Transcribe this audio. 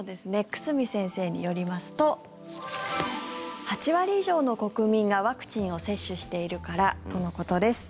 久住先生によりますと８割以上の国民がワクチンを接種しているからとのことです。